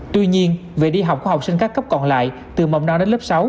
tuy nhiên về đi học của học sinh các cấp còn lại từ mầm non đến lớp sáu